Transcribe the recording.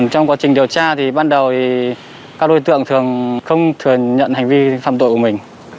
trong quá trình điều tra thì ban đầu các đối tượng thường không thừa nhận hành vi phạm tội của mình